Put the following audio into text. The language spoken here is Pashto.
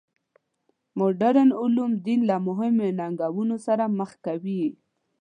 مډرن علوم دین له مهمو ننګونو سره مخ کوي.